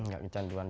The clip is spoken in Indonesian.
gak kecanduan ya